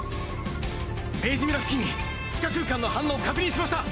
明治村付近に地下空間の反応確認しました！